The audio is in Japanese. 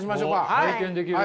おっ体験できる？